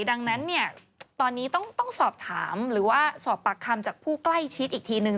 ดังนั้นเนี่ยตอนนี้ต้องสอบถามหรือว่าสอบปากคำจากผู้ใกล้ชิดอีกทีนึง